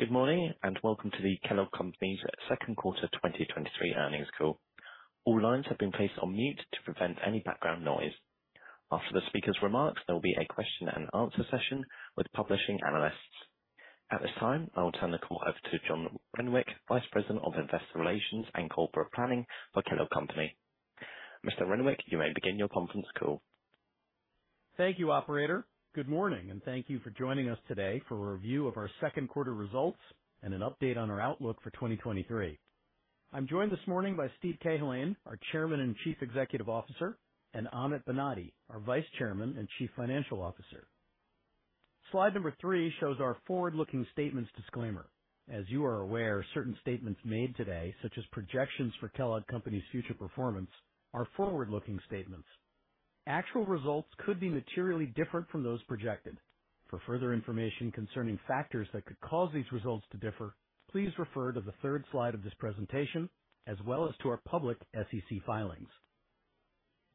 Good morning, welcome to the Kellogg Company's second quarter 2023 earnings call. All lines have been placed on mute to prevent any background noise. After the speaker's remarks, there will be a question-and-answer session with publishing analysts. At this time, I will turn the call over to John Renwick, Vice President of Investor Relations and Corporate Planning for Kellogg Company. Mr. Renwick, you may begin your conference call. Thank you, operator. Good morning, and thank you for joining us today for a review of our second quarter results and an update on our outlook for 2023. I'm joined this morning by Steve Cahillane, our Chairman and Chief Executive Officer, and Amit Banati, our Vice Chairman and Chief Financial Officer. Slide number 3 shows our forward-looking statements disclaimer. As you are aware, certain statements made today, such as projections for Kellogg Company's future performance, are forward-looking statements. Actual results could be materially different from those projected. For further information concerning factors that could cause these results to differ, please refer to the third Slide of this presentation as well as to our public SEC filings.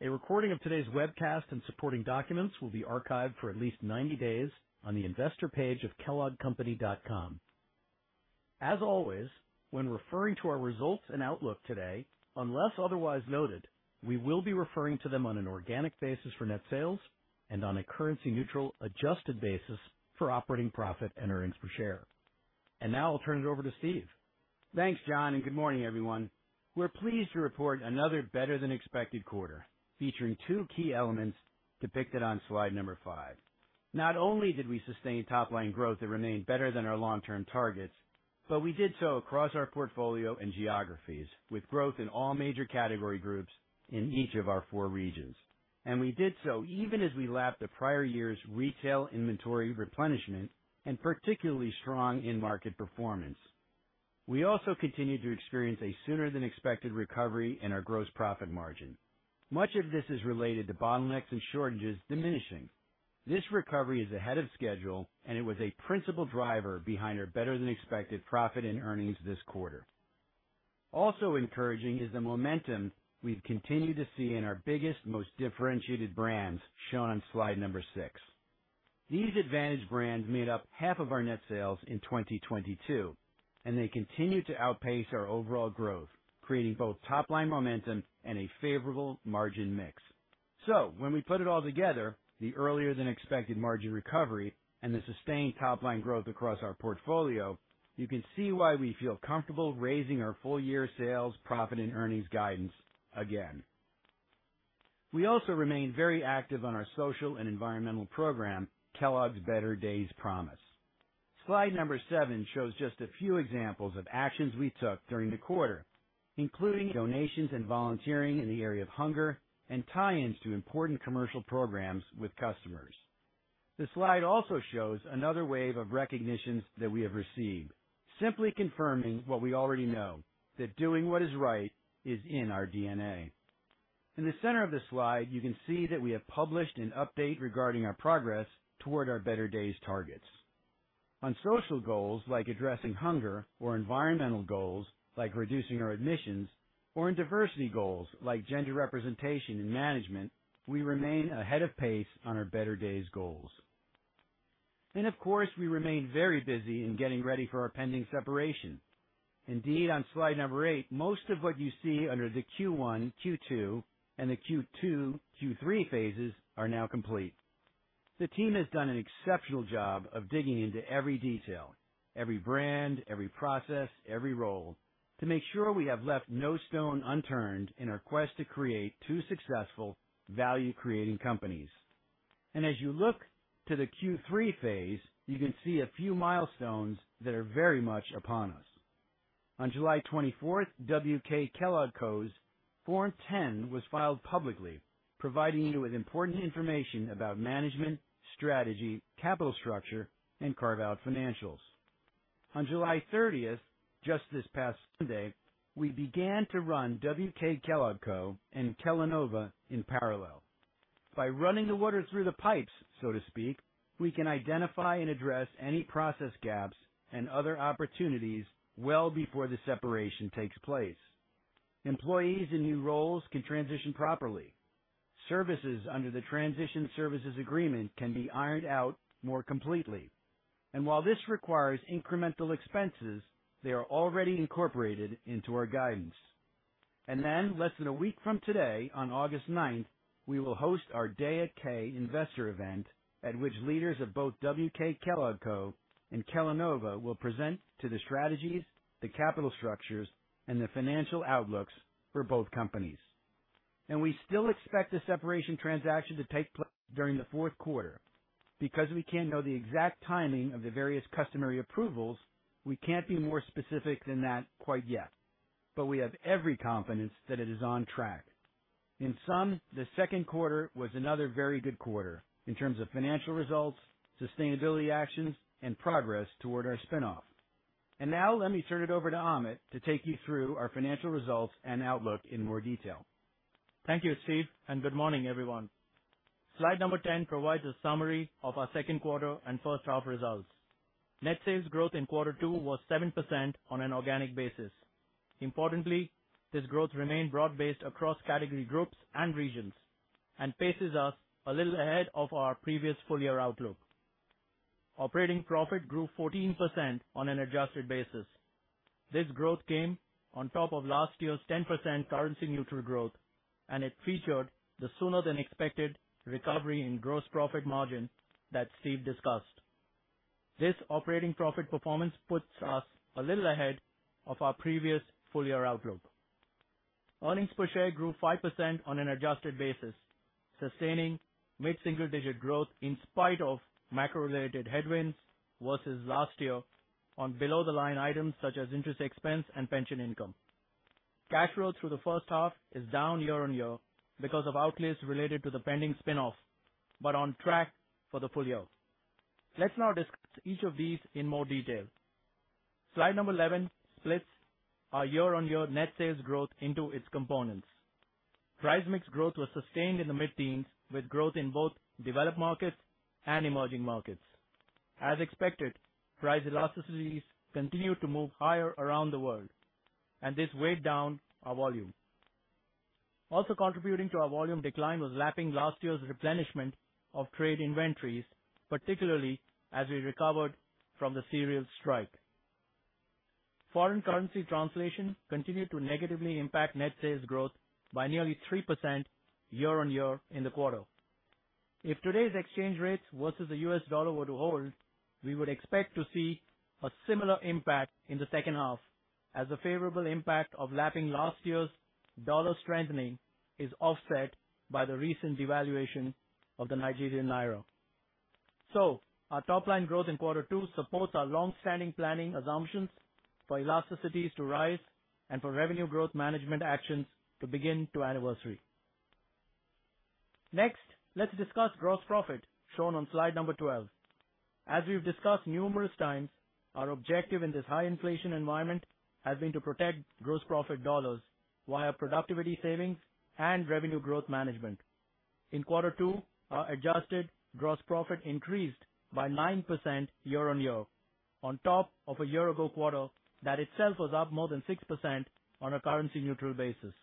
A recording of today's webcast and supporting documents will be archived for at least 90 days on the investor page of kelloggcompany.com. As always, when referring to our results and outlook today, unless otherwise noted, we will be referring to them on an organic basis for net sales and on a currency-neutral, adjusted basis for operating profit and earnings per share. Now I'll turn it over to Steve. Thanks, John, and good morning, everyone. We're pleased to report another better than expected quarter, featuring two key elements depicted on Slide number 5. Not only did we sustain top line growth that remained better than our long-term targets, but we did so across our portfolio and geographies, with growth in all major category groups in each of our 4 regions. We did so even as we lapped the prior year's retail inventory replenishment and particularly strong in-market performance. We also continued to experience a sooner than expected recovery in our gross profit margin. Much of this is related to bottlenecks and shortages diminishing. This recovery is ahead of schedule, and it was a principal driver behind our better than expected profit and earnings this quarter. Also encouraging is the momentum we've continued to see in our biggest, most differentiated brands shown on Slide number 6. These advantage brands made up half of our net sales in 2022, they continue to outpace our overall growth, creating both top line momentum and a favorable margin mix. When we put it all together, the earlier than expected margin recovery and the sustained top line growth across our portfolio, you can see why we feel comfortable raising our full year sales, profit and earnings guidance again. We also remain very active on our social and environmental program, Kellogg's Better Days Promise. Slide number 7 shows just a few examples of actions we took during the quarter, including donations and volunteering in the area of hunger and tie-ins to important commercial programs with customers. The Slide also shows another wave of recognitions that we have received, simply confirming what we already know, that doing what is right is in our DNA. In the center of the Slide, you can see that we have published an update regarding our progress toward our Better Days targets. On social goals, like addressing hunger, or environmental goals, like reducing our emissions, or in diversity goals, like gender representation in management, we remain ahead of pace on our Better Days goals. Of course, we remain very busy in getting ready for our pending separation. Indeed, on Slide number 8, most of what you see under the Q1, Q2, and the Q2, Q3 phases are now complete. The team has done an exceptional job of digging into every detail, every brand, every process, every role, to make sure we have left no stone unturned in our quest to create 2 successful, value-creating companies. As you look to the Q3 phase, you can see a few milestones that are very much upon us. On July 24th, WK Kellogg Co's Form 10 was filed publicly, providing you with important information about management, strategy, capital structure, and carve-out financials. On July 30th, just this past Sunday, we began to run WK Kellogg Co and Kellanova in parallel. By running the water through the pipes, so to speak, we can identify and address any process gaps and other opportunities well before the separation takes place. Employees in new roles can transition properly. Services under the Transition Services Agreement can be ironed out more completely, while this requires incremental expenses, they are already incorporated into our guidance. Less than a week from today, on August 9th, we will host our Day at K investor event, at which leaders of both WK Kellogg Co and Kellanova will present to the strategies, the capital structures, and the financial outlooks for both companies. We still expect the separation transaction to take place during the fourth quarter. Because we can't know the exact timing of the various customary approvals, we can't be more specific than that quite yet, but we have every confidence that it is on track. In sum, the second quarter was another very good quarter in terms of financial results, sustainability actions, and progress toward our spin-off. Now let me turn it over to Amit to take you through our financial results and outlook in more detail. Thank you, Steve. Good morning, everyone. Slide number 10 provides a summary of our second quarter and first half results. Net sales growth in quarter two was 7% on an organic basis. Importantly, this growth remained broad-based across category groups and regions. and paces us a little ahead of our previous full year outlook. Operating profit grew 14% on an adjusted basis. This growth came on top of last year's 10% currency neutral growth, and it featured the sooner than expected recovery in gross profit margin that Steve discussed. This operating profit performance puts us a little ahead of our previous full year outlook. Earnings per share grew 5% on an adjusted basis, sustaining mid-single-digit growth in spite of macro-related headwinds versus last year on below-the-line items such as interest expense and pension income. Cash flow through the first half is down year-on-year because of outlays related to the pending spin-off, but on track for the full year. Let's now discuss each of these in more detail. Slide number 11 splits our year-on-year net sales growth into its components. Price mix growth was sustained in the mid-teens, with growth in both developed markets and emerging markets. As expected, price elasticities continued to move higher around the world, and this weighed down our volume. Also contributing to our volume decline was lapping last year's replenishment of trade inventories, particularly as we recovered from the cereal strike. Foreign currency translation continued to negatively impact net sales growth by nearly 3% year-on-year in the quarter. If today's exchange rates versus the US dollar were to hold, we would expect to see a similar impact in the second half as the favorable impact of lapping last year's dollar strengthening is offset by the recent devaluation of the Nigerian naira. Our top line growth in quarter two supports our long-standing planning assumptions for elasticities to rise and for revenue growth management actions to begin to anniversary. Next, let's discuss gross profit, shown on Slide number 12. As we've discussed numerous times, our objective in this high inflation environment has been to protect gross profit dollars via productivity savings and revenue growth management. In quarter two, our adjusted gross profit increased by 9% year-on-year, on top of a year-ago quarter that itself was up more than 6% on a currency-neutral basis.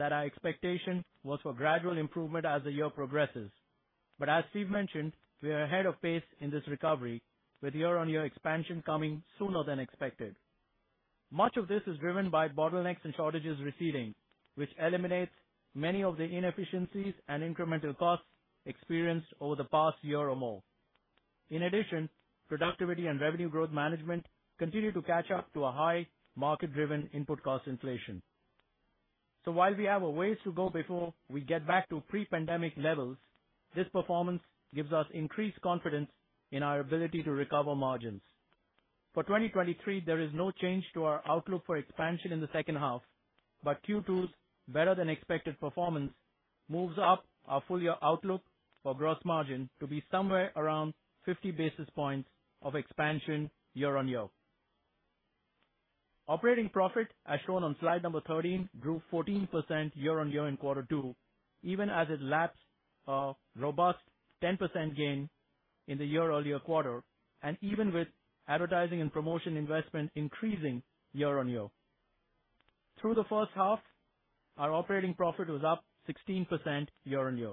As Steve mentioned, we are ahead of pace in this recovery, with year-on-year expansion coming sooner than expected. Much of this is driven by bottlenecks and shortages receding, which eliminates many of the inefficiencies and incremental costs experienced over the past year or more. In addition, productivity and revenue growth management continue to catch up to a high market-driven input cost inflation. While we have a ways to go before we get back to pre-pandemic levels, this performance gives us increased confidence in our ability to recover margins. For 2023, there is no change to our outlook for expansion in the second half, but Q2's better-than-expected performance moves up our full year outlook for gross margin to be somewhere around 50 basis points of expansion year-on-year. Operating profit, as shown on Slide number 13, grew 14% year-on-year in quarter two, even as it laps a robust 10% gain in the year-earlier quarter, and even with advertising and promotion investment increasing year-on-year. Through the first half, our operating profit was up 16% year-on-year.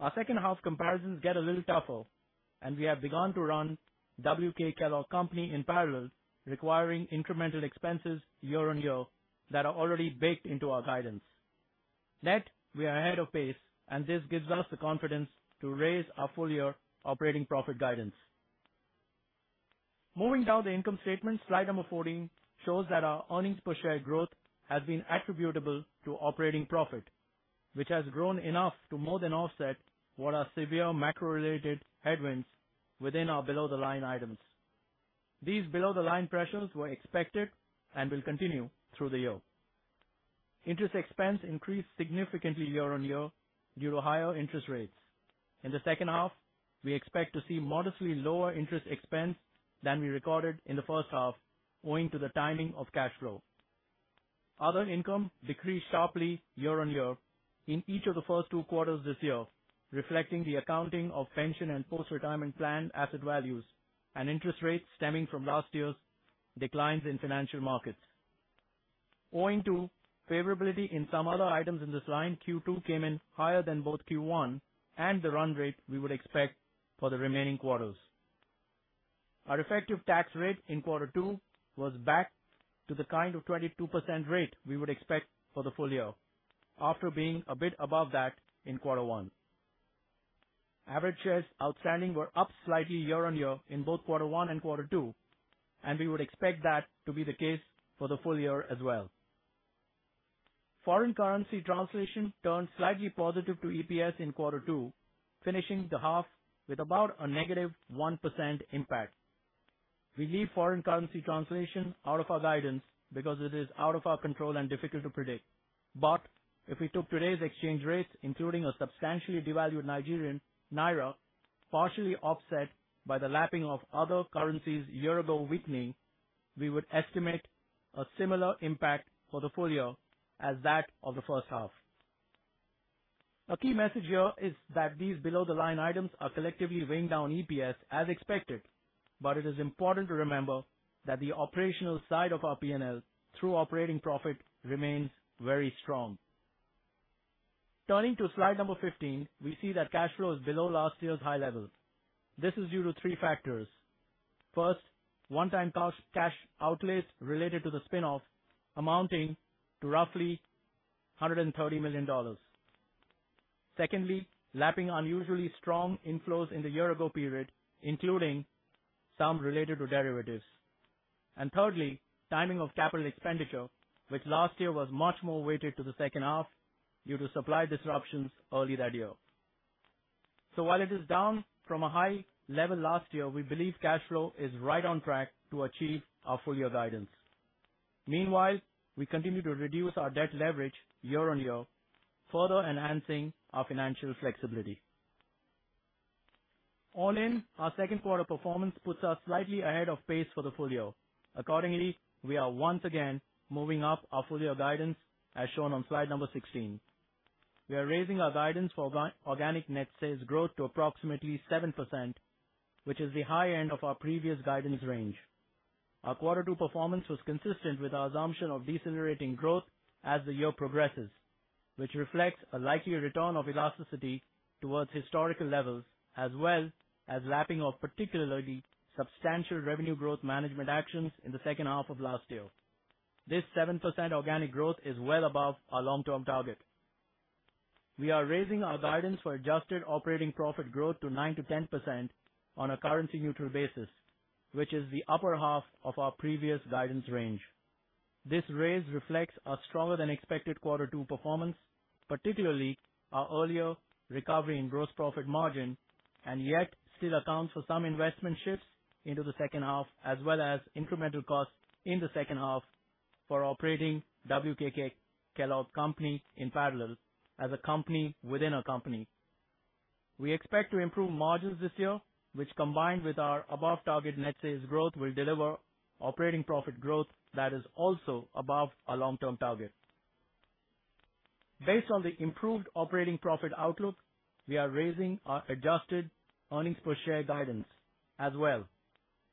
Our second half comparisons get a little tougher, and we have begun to run WK Kellogg Company in parallel, requiring incremental expenses year-on-year that are already baked into our guidance. Net, we are ahead of pace, and this gives us the confidence to raise our full year operating profit guidance. Moving down the income statement, Slide number 14 shows that our earnings per share growth has been attributable to operating profit, which has grown enough to more than offset what are severe macro-related headwinds within our below-the-line items. These below-the-line pressures were expected and will continue through the year. Interest expense increased significantly year-on-year due to higher interest rates. In the second half, we expect to see modestly lower interest expense than we recorded in the first half, owing to the timing of cash flow. Other income decreased sharply year-on-year in each of the first two quarters this year, reflecting the accounting of pension and post-retirement plan asset values and interest rates stemming from last year's declines in financial markets. Owing to favorability in some other items in this line, Q2 came in higher than both Q1 and the run rate we would expect for the remaining quarters. Our effective tax rate in quarter two was back to the kind of 22% rate we would expect for the full year, after being a bit above that in quarter one. Average shares outstanding were up slightly year-on-year in both quarter one and quarter two, and we would expect that to be the case for the full year as well. Foreign currency translation turned slightly positive to EPS in quarter two, finishing the half with about a negative 1% impact. We leave foreign currency translation out of our guidance because it is out of our control and difficult to predict. If we took today's exchange rates, including a substantially devalued Nigerian naira, partially offset by the lapping of other currencies year-ago weakening, we would estimate a similar impact for the full year as that of the first half. A key message here is that these below-the-line items are collectively weighing down EPS as expected, but it is important to remember that the operational side of our PNL through operating profit remains very strong. Turning to Slide number 15, we see that cash flow is below last year's high level. This is due to 3 factors. First, one-time cash, cash outlays related to the spin-off, amounting to roughly $130 million. Secondly, lapping unusually strong inflows in the year-ago period, including some related to derivatives. Thirdly, timing of capital expenditure, which last year was much more weighted to the second half due to supply disruptions early that year. While it is down from a high level last year, we believe cash flow is right on track to achieve our full year guidance. Meanwhile, we continue to reduce our debt leverage year-on-year, further enhancing our financial flexibility. All in, our second quarter performance puts us slightly ahead of pace for the full year. Accordingly, we are once again moving up our full year guidance, as shown on Slide number 16. We are raising our guidance for organic net sales growth to approximately 7%, which is the high end of our previous guidance range. Our quarter two performance was consistent with our assumption of decelerating growth as the year progresses, which reflects a likely return of elasticity towards historical levels, as well as lapping of particularly substantial revenue growth management actions in the second half of last year. This 7% organic growth is well above our long-term target. We are raising our guidance for adjusted operating profit growth to 9%-10% on a currency-neutral basis, which is the upper half of our previous guidance range. This raise reflects a stronger than expected quarter two performance, particularly our earlier recovery in gross profit margin, and yet still accounts for some investment shifts into the second half, as well as incremental costs in the second half for operating WK Kellogg Company in parallel as a company within a company. We expect to improve margins this year, which, combined with our above-target net sales growth, will deliver operating profit growth that is also above our long-term target. Based on the improved operating profit outlook, we are raising our adjusted earnings per share guidance as well,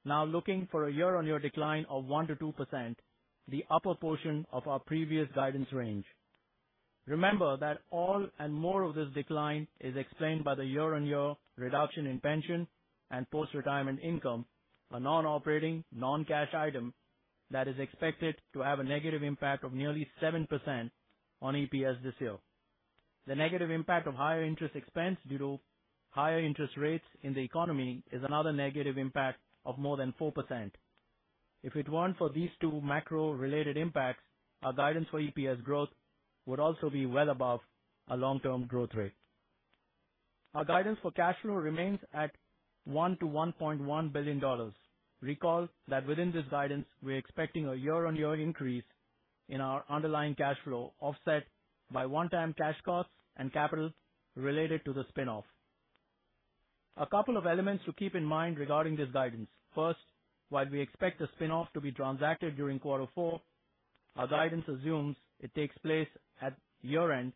now looking for a year-on-year decline of 1%-2%, the upper portion of our previous guidance range. Remember that all and more of this decline is explained by the year-on-year reduction in pension and post-retirement income, a non-operating, non-cash item that is expected to have a negative impact of nearly 7% on EPS this year. The negative impact of higher interest expense due to higher interest rates in the economy is another negative impact of more than 4%. If it weren't for these two macro-related impacts, our guidance for EPS growth would also be well above our long-term growth rate. Our guidance for cash flow remains at $1 billion-$1.1 billion. Recall that within this guidance, we're expecting a year-on-year increase in our underlying cash flow, offset by one-time cash costs and capital related to the spin-off. A couple of elements to keep in mind regarding this guidance. First, while we expect the spin-off to be transacted during quarter four, our guidance assumes it takes place at year-end,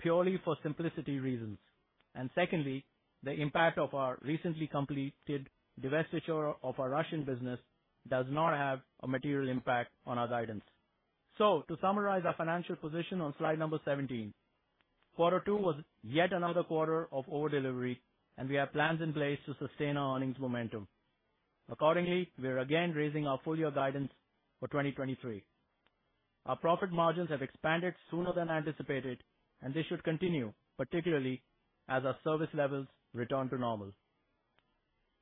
purely for simplicity reasons. Secondly, the impact of our recently completed divestiture of our Russian business does not have a material impact on our guidance. To summarize our financial position on Slide number 17, quarter two was yet another quarter of over-delivery, and we have plans in place to sustain our earnings momentum. Accordingly, we are again raising our full year guidance for 2023. Our profit margins have expanded sooner than anticipated, and they should continue, particularly as our service levels return to normal.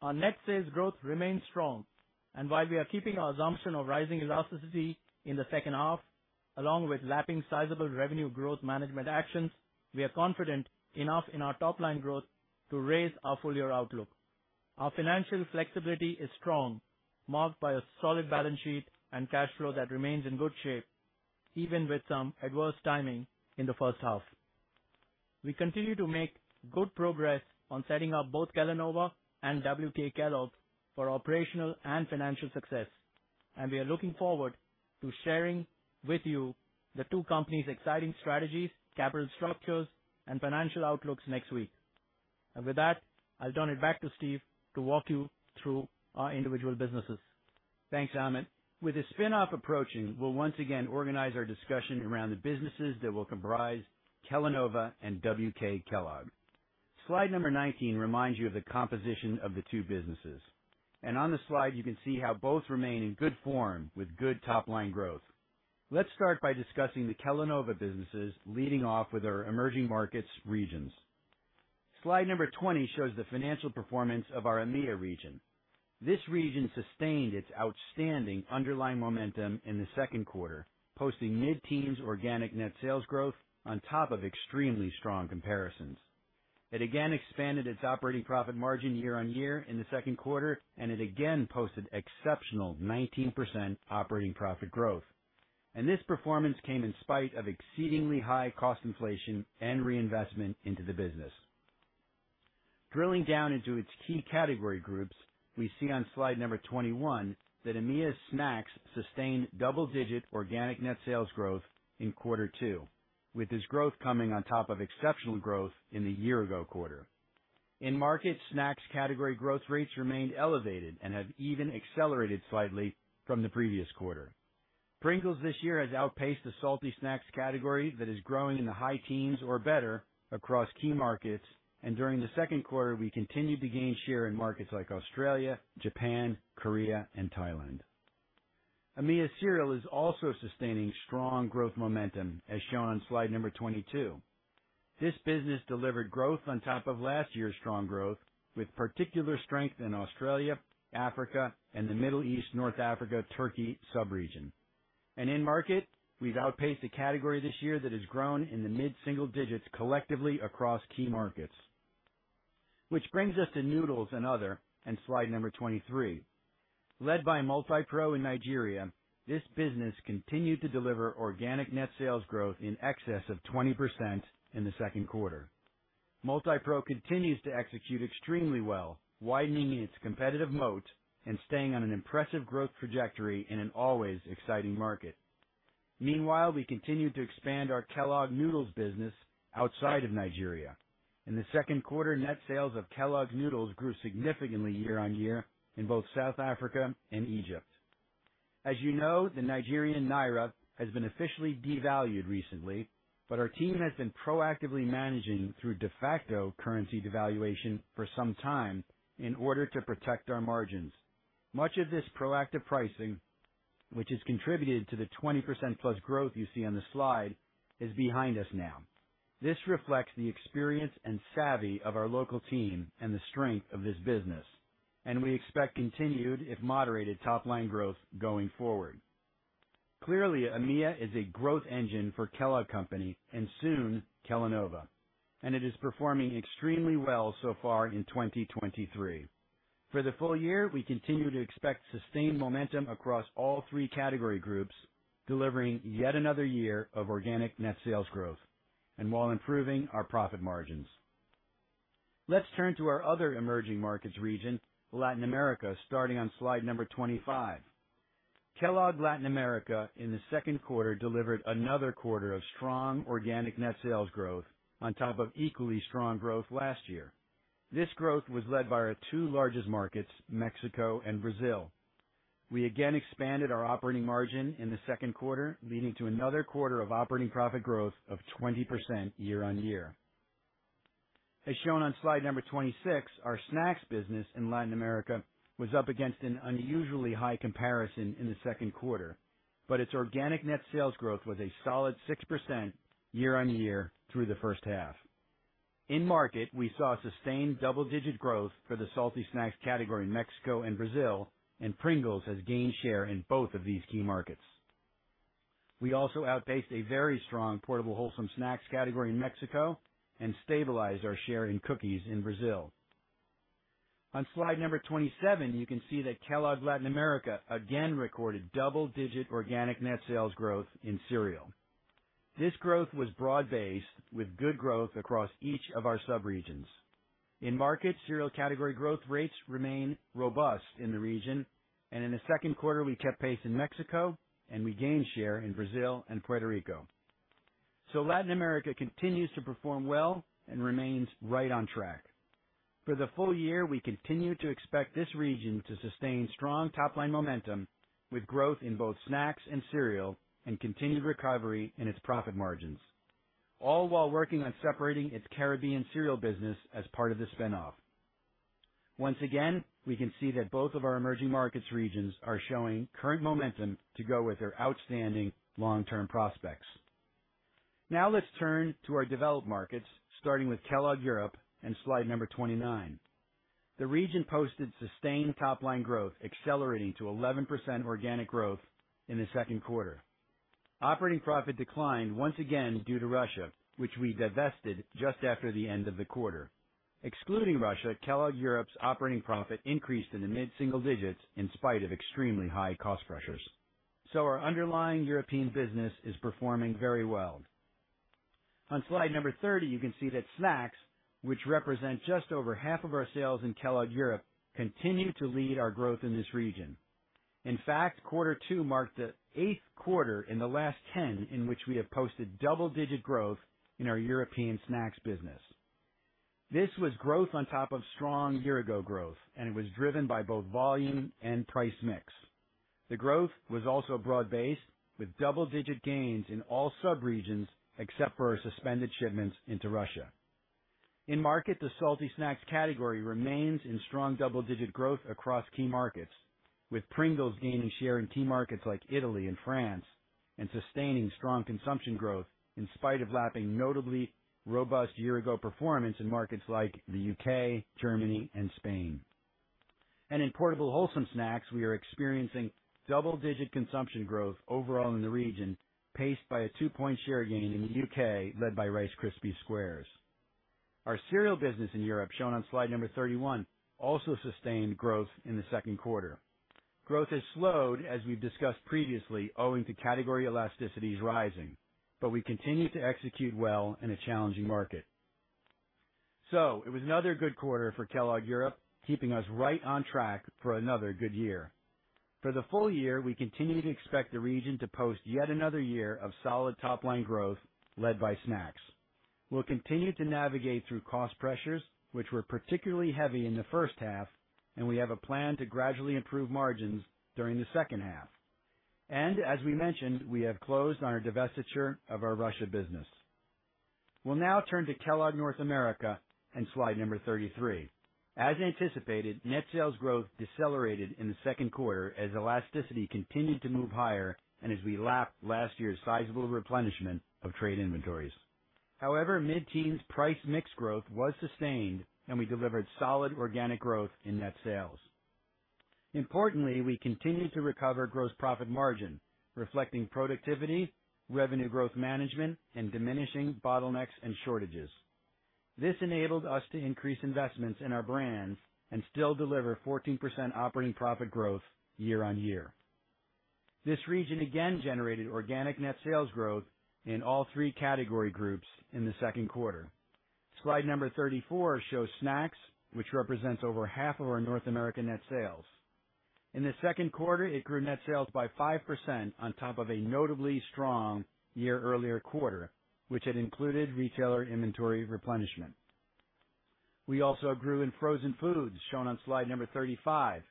Our net sales growth remains strong, and while we are keeping our assumption of rising elasticity in the second half, along with lapping sizable revenue growth management actions, we are confident enough in our top line growth to raise our full year outlook. Our financial flexibility is strong, marked by a solid balance sheet and cash flow that remains in good shape, even with some adverse timing in the first half. We continue to make good progress on setting up both Kellanova and WK Kellogg for operational and financial success, and we are looking forward to sharing with you the two companies' exciting strategies, capital structures, and financial outlooks next week. With that, I'll turn it back to Steve to walk you through our individual businesses. Thanks, Amit. With the spin-off approaching, we'll once again organize our discussion around the businesses that will comprise Kellanova and WK Kellogg. Slide number 19 reminds you of the composition of the two businesses, on the Slide, you can see how both remain in good form with good top-line growth. Let's start by discussing the Kellanova businesses, leading off with our emerging markets regions. Slide number 20 shows the financial performance of our AMEA region. This region sustained its outstanding underlying momentum in the second quarter, posting mid-teens organic net sales growth on top of extremely strong comparisons. It again expanded its operating profit margin year-on-year in the second quarter, it again posted exceptional 19% operating profit growth. This performance came in spite of exceedingly high cost inflation and reinvestment into the business. Drilling down into its key category groups, we see on Slide number 21, that EMEA Snacks sustained double-digit organic net sales growth in quarter 2, with this growth coming on top of exceptional growth in the year-ago quarter. In market, snacks category growth rates remained elevated and have even accelerated slightly from the previous quarter. Pringles this year has outpaced the salty snacks category that is growing in the high teens or better across key markets, and during the second quarter, we continued to gain share in markets like Australia, Japan, Korea, and Thailand. EMEA Cereal is also sustaining strong growth momentum, as shown on Slide number 22. This business delivered growth on top of last year's strong growth, with particular strength in Australia, Africa, and the Middle East, North Africa, Turkey sub-region. In market, we've outpaced the category this year that has grown in the mid-single digits collectively across key markets. Which brings us to noodles and other, in Slide number 23. Led by MultiPro in Nigeria, this business continued to deliver organic net sales growth in excess of 20% in the second quarter. MultiPro continues to execute extremely well, widening its competitive moat and staying on an impressive growth trajectory in an always exciting market. Meanwhile, we continued to expand our Kellogg Noodles business outside of Nigeria. In the second quarter, net sales of Kellogg Noodles grew significantly year-over-year in both South Africa and Egypt. As you know, the Nigerian naira has been officially devalued recently, but our team has been proactively managing through de facto currency devaluation for some time in order to protect our margins. Much of this proactive pricing, which has contributed to the 20%+ growth you see on the Slide, is behind us now. This reflects the experience and savvy of our local team and the strength of this business, and we expect continued, if moderated, top-line growth going forward. Clearly, EMEA is a growth engine for Kellogg Company and soon, Kellanova, and it is performing extremely well so far in 2023. For the full year, we continue to expect sustained momentum across all three category groups, delivering yet another year of organic net sales growth and while improving our profit margins. Let's turn to our other emerging markets region, Latin America, starting on Slide number 25. Kellogg Latin America, in the second quarter, delivered another quarter of strong organic net sales growth on top of equally strong growth last year. This growth was led by our two largest markets, Mexico and Brazil. We again expanded our operating margin in the second quarter, leading to another quarter of operating profit growth of 20% year-on-year. As shown on Slide number 26, our snacks business in Latin America was up against an unusually high comparison in the second quarter, but its organic net sales growth was a solid 6% year-on-year through the first half. In market, we saw sustained double-digit growth for the salty snacks category in Mexico and Brazil, and Pringles has gained share in both of these key markets. We also outpaced a very strong portable, wholesome snacks category in Mexico and stabilized our share in cookies in Brazil. On Slide number 27, you can see that Kellogg Latin America again recorded double-digit organic net sales growth in cereal. This growth was broad-based, with good growth across each of our subregions. In market, cereal category growth rates remain robust in the region, and in the second quarter, we kept pace in Mexico and we gained share in Brazil and Puerto Rico. Latin America continues to perform well and remains right on track. For the full year, we continue to expect this region to sustain strong top-line momentum, with growth in both snacks and cereal and continued recovery in its profit margins, all while working on separating its Caribbean cereal business as part of the spin-off. Once again, we can see that both of our emerging markets regions are showing current momentum to go with their outstanding long-term prospects. Now, let's turn to our developed markets, starting with Kellogg Europe and Slide number 29. The region posted sustained top line growth, accelerating to 11% organic growth in the second quarter. Operating profit declined once again due to Russia, which we divested just after the end of the quarter. Excluding Russia, Kellogg Europe's operating profit increased in the mid-single digits in spite of extremely high cost pressures. Our underlying European business is performing very well. On Slide number 30, you can see that snacks, which represent just over half of our sales in Kellogg Europe, continue to lead our growth in this region. In fact, quarter 2 marked the 8th quarter in the last 10 in which we have posted double-digit growth in our European snacks business. This was growth on top of strong year ago growth, and it was driven by both volume and price mix. The growth was also broad-based, with double-digit gains in all subregions except for our suspended shipments into Russia. In market, the salty snacks category remains in strong double-digit growth across key markets, with Pringles gaining share in key markets like Italy and France, and sustaining strong consumption growth in spite of lapping notably robust year ago performance in markets like the U.K., Germany, and Spain. In portable, wholesome snacks, we are experiencing double-digit consumption growth overall in the region, paced by a 2-point share gain in the U.K., led by Rice Krispies Squares. Our cereal business in Europe, shown on Slide number 31, also sustained growth in the second quarter. Growth has slowed, as we've discussed previously, owing to category elasticities rising, but we continue to execute well in a challenging market. It was another good quarter for Kellogg Europe, keeping us right on track for another good year. For the full year, we continue to expect the region to post yet another year of solid top line growth led by snacks. We'll continue to navigate through cost pressures, which were particularly heavy in the first half, and we have a plan to gradually improve margins during the second half. As we mentioned, we have closed on our divestiture of our Russia business. We'll now turn to Kellogg North America and Slide number 33. As anticipated, net sales growth decelerated in the second quarter as elasticity continued to move higher and as we lapped last year's sizable replenishment of trade inventories. However, mid-teens price mix growth was sustained, and we delivered solid organic growth in net sales. Importantly, we continued to recover gross profit margin, reflecting productivity, revenue growth management, and diminishing bottlenecks and shortages. This enabled us to increase investments in our brands and still deliver 14% operating profit growth year-on-year. This region again generated organic net sales growth in all three category groups in the second quarter. Slide number 34 shows snacks, which represents over half of our North American net sales. In the second quarter, it grew net sales by 5% on top of a notably strong year earlier quarter, which had included retailer inventory replenishment. We also grew in frozen foods, shown on Slide number 35.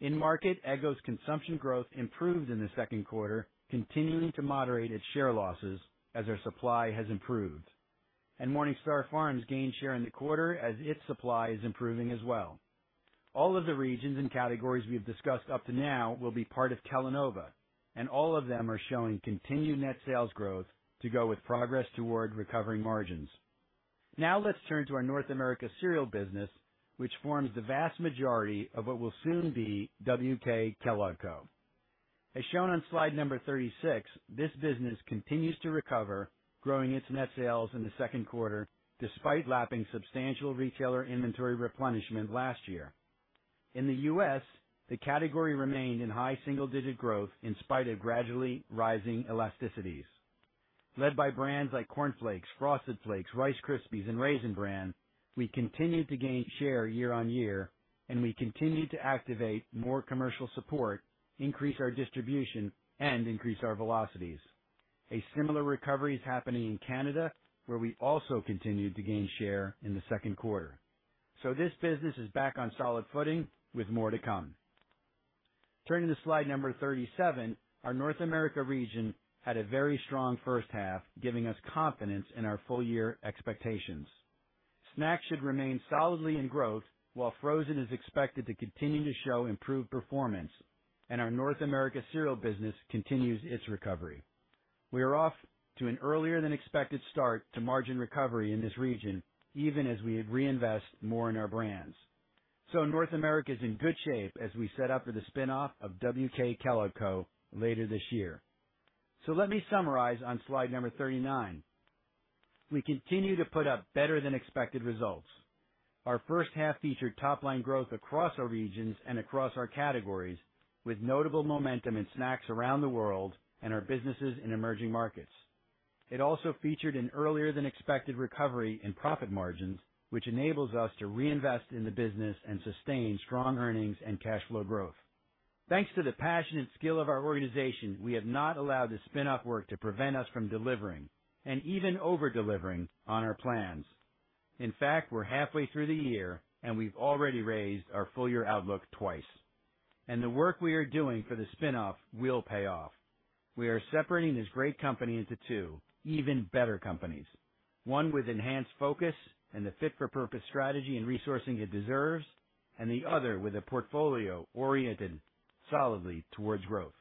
In market, Eggo's consumption growth improved in the second quarter, continuing to moderate its share losses as their supply has improved, and Morningstar Farms gained share in the quarter as its supply is improving as well. All of the regions and categories we have discussed up to now will be part of Kellanova, and all of them are showing continued net sales growth to go with progress toward recovering margins. Now, let's turn to our North America cereal business, which forms the vast majority of what will soon be WK Kellogg Co. As shown on Slide number 36, this business continues to recover, growing its net sales in the second quarter, despite lapping substantial retailer inventory replenishment last year. In the U.S., the category remained in high single-digit growth in spite of gradually rising elasticities. Led by brands like Corn Flakes, Frosted Flakes, Rice Krispies, and Raisin Bran, we continued to gain share year-on-year, and we continued to activate more commercial support, increase our distribution, and increase our velocities. A similar recovery is happening in Canada, where we also continued to gain share in the second quarter. This business is back on solid footing with more to come. Turning to Slide number 37, our North America region had a very strong first half, giving us confidence in our full year expectations. Snacks should remain solidly in growth, while frozen is expected to continue to show improved performance, and our North America cereal business continues its recovery. We are off to an earlier than expected start to margin recovery in this region, even as we reinvest more in our brands. North America is in good shape as we set up for the spin-off of WK Kellogg Co. later this year. Let me summarize on Slide number 39. We continue to put up better than expected results. Our first half featured top line growth across our regions and across our categories, with notable momentum in snacks around the world and our businesses in emerging markets. It also featured an earlier than expected recovery in profit margins, which enables us to reinvest in the business and sustain strong earnings and cash flow growth. Thanks to the passion and skill of our organization, we have not allowed the spin-off work to prevent us from delivering and even over-delivering on our plans. In fact, we're halfway through the year, and we've already raised our full year outlook twice, and the work we are doing for the spin-off will pay off. We are separating this great company into two even better companies, one with enhanced focus and the fit for purpose, strategy, and resourcing it deserves, and the other with a portfolio oriented solidly towards growth.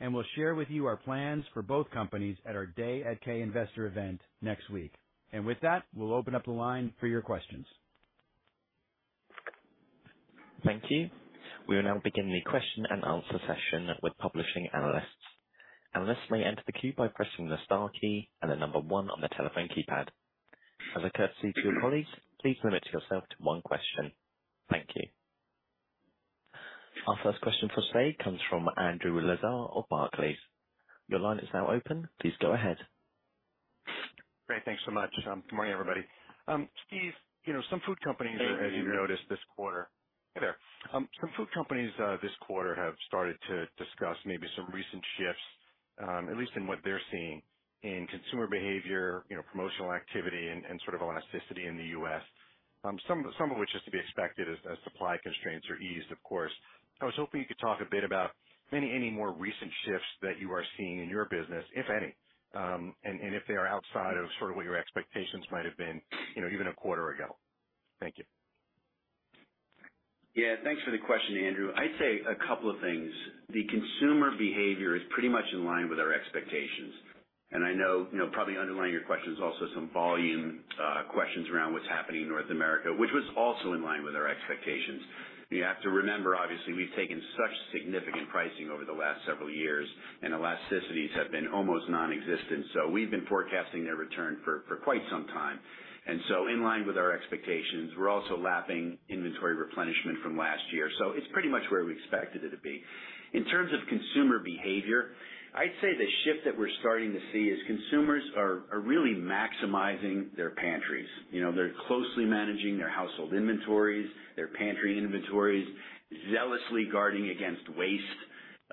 We'll share with you our plans for both companies at our Day at K investor event next week. With that, we'll open up the line for your questions. Thank you. We will now begin the question-and-answer session with publishing analysts. Analysts may enter the queue by pressing the star key and the number one on the telephone keypad. As a courtesy to your colleagues, please limit yourself to one question. Thank you. Our first question for today comes from Andrew Lazar of Barclays. Your line is now open. Please go ahead. Great, thanks so much. Good morning, everybody. Steve, you know, some food companies, as you've noticed this quarter- hey, there, some food companies, this quarter have started to discuss maybe some recent shifts, at least in what they're seeing in consumer behavior, you know, promotional activity and, and sort of elasticity in the U.S., some, some of which is to be expected as, as supply constraints are eased, of course. I was hoping you could talk a bit about any, any more recent shifts that you are seeing in your business, if any, and, and if they are outside of sort of what your expectations might have been, you know, even a quarter ago? Thank you. Yeah, thanks for the question, Andrew. I'd say a couple of things. The consumer behavior is pretty much in line with our expectations, and I know, you know, probably underlying your question is also some volume questions around what's happening in North America, which was also in line with our expectations. You have to remember, obviously, we've taken such significant pricing over the last several years, and elasticities have been almost nonexistent. We've been forecasting their return for, for quite some time. In line with our expectations, we're also lapping inventory replenishment from last year. It's pretty much where we expected it to be. In terms of consumer behavior, I'd say the shift that we're starting to see is consumers are, are really maximizing their pantries. You know, they're closely managing their household inventories, their pantry inventories, zealously guarding against waste,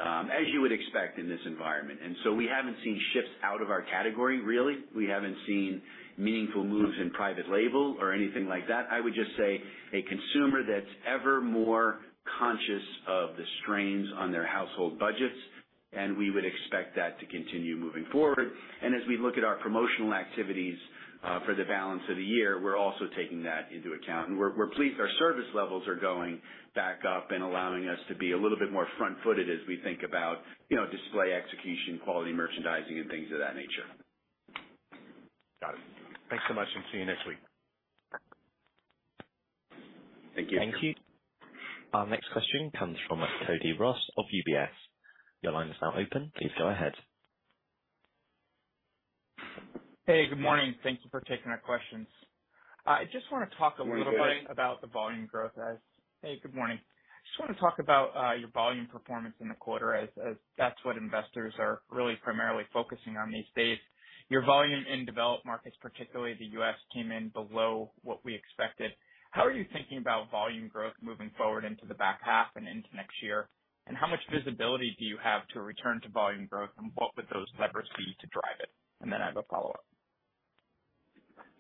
as you would expect in this environment. We haven't seen shifts out of our category, really. We haven't seen meaningful moves in private label or anything like that. I would just say a consumer that's ever more conscious of the strains on their household budgets, and we would expect that to continue moving forward. As we look at our promotional activities, for the balance of the year, we're also taking that into account. We're, we're pleased our service levels are going back up and allowing us to be a little bit more front-footed as we think about, you know, display, execution, quality, merchandising and things of that nature. Got it. Thanks so much, and see you next week. Thank you. Thank you. Our next question comes from Cody Ross of UBS. Your line is now open. Please go ahead. Hey, good morning. Thank you for taking our questions. I just wanna talk a little bit. Good morning. -about the volume growth as. Hey, good morning. I just wanna talk about your volume performance in the quarter, as, as that's what investors are really primarily focusing on these days. Your volume in developed markets, particularly the U.S., came in below what we expected. How are you thinking about volume growth moving forward into the back half and into next year? How much visibility do you have to return to volume growth, and what would those levers be to drive it? Then I have a follow-up.